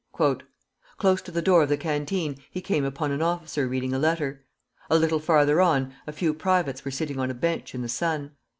"Close to the door of the canteen he came upon an officer reading a letter. A little farther on, a few privates were sitting on a bench in the sun.